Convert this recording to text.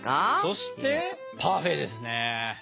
そしてパフェですね。